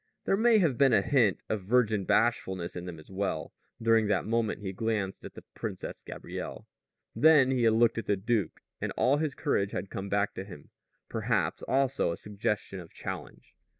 There may have been even a hint of virgin bashfulness in them as well, during that moment he glanced at the Princess Gabrielle. Then he had looked at the duke, and all his courage had come back to him, perhaps also a suggestion of challenge.